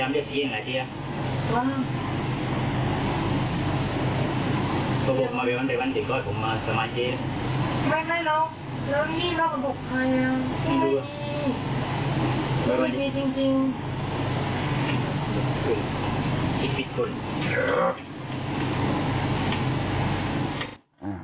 ได้รู้